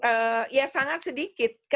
sekolahnya sangat sedikit